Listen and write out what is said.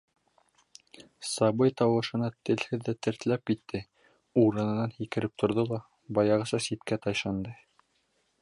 Сабый тауышына телһеҙ ҙә тертләп китте, урынынан һикереп торҙо ла, баяғыса ситкә тайшанды.